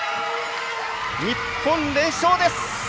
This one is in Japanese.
日本、連勝です！